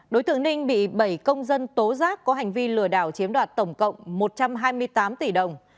đối tượng ninh bị bảy công dân tố giác có hành vi lừa đảo chiếm đoạt tổng cộng một trăm hai mươi tám tỷ đồng